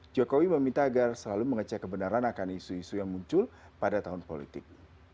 jokowi meminta agar selalu mengecek kebenaran akan isu isu yang muncul pada tahun politik